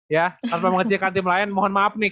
ya tanpa mengecilkan tim lain mohon maaf nih